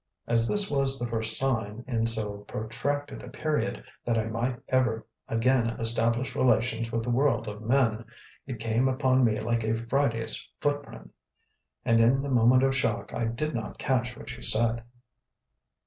As this was the first sign, in so protracted a period, that I might ever again establish relations with the world of men, it came upon me like a Friday's footprint, and in the moment of shock I did not catch what she said.